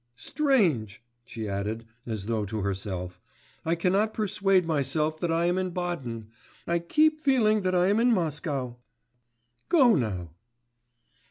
Strange!' she added as though to herself, 'I cannot persuade myself that I am in Baden.... I keep feeling that I am in Moscow.... Go now.